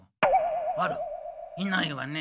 あらいないわね。